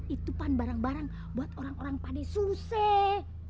itu pan barang barang buat orang orang pade susih